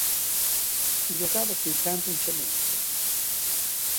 Si giocava su campi in cemento.